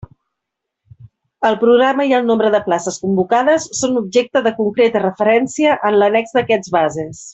El programa i el nombre de places convocades són objecte de concreta referència en l'annex d'aquests bases.